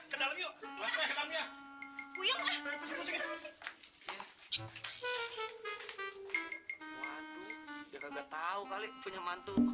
waduh dia kagak tahu kali punya mantu